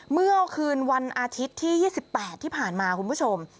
เมื่อคืนวันอาทิตย์ที่๒๘ที่ผ่านมาคุณผู้ชม